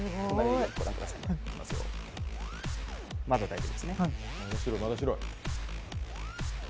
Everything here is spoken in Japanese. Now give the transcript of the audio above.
まだ大丈夫ですね